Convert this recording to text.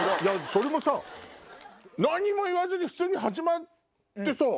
それも何も言わずに普通に始まってさ。